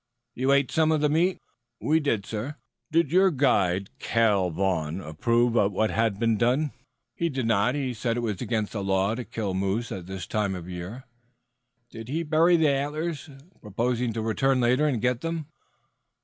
"You ate some of the meat?" "We did." "Did your guide, Cale Vaughn, approve of what had been done?" "He did not. He said it was against the law to kill moose at this time of the year." "Did he bury the antlers, proposing to return later and get them?"